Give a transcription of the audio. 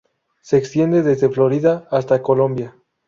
Se extiende desde Florida hasta Colombia.